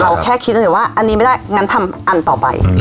แค่คิดเฉยว่าอันนี้ไม่ได้งั้นทำอันต่อไป